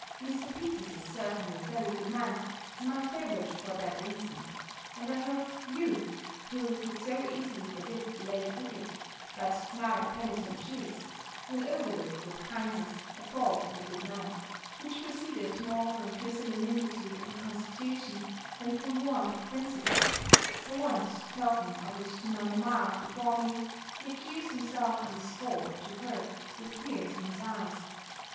Mr. Peters is certainly a very good man, and my favourite for that reason; and I hope you, who could so easily forgive the late wicked, but now penitent Jewkes, will overlook with kindness a fault in a good man, which proceeded more from pusillanimity and constitution, than from want of principle: for once, talking of it to my mamma, before me, he accused himself on this score, to her, with tears in his eyes.